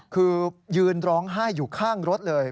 คือยืนร้องไห้อยู่ข้างรถเลย